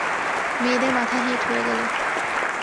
মেয়েদের মাথা হেঁট হয়ে গেল।